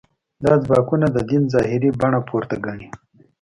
دا ځواکونه د دین ظاهري بڼه پورته ګڼي.